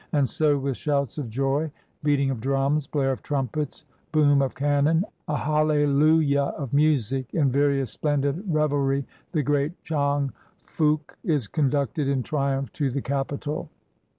And so, with shouts of joy, beating of drums, blare of trumpets, boom of cannon, a hallelujah of music, and various splendid revelry, the great Chang Phoouk is conducted in triumph to the capital.